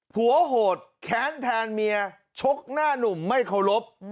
โหดแค้นแทนเมียชกหน้านุ่มไม่เคารพ